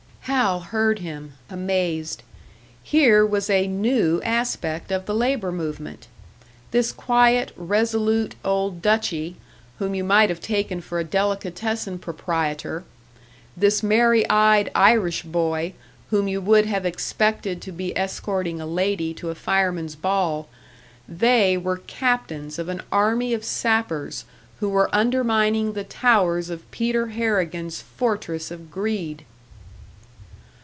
Hal heard him, amazed. Here was a new aspect of the labour movement! This quiet, resolute old "Dutchy," whom you might have taken for a delicatessen proprietor; this merry eyed Irish boy, whom you would have expected to be escorting a lady to a firemen's ball they were captains of an army of sappers who were undermining the towers of Peter Harrigan's fortress of greed!